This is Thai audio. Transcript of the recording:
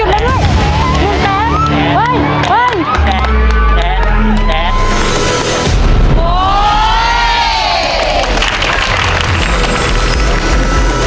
๑แสนแสนแสน